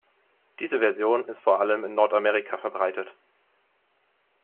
Diese Version ist vor allem in Nordamerika verbreitet.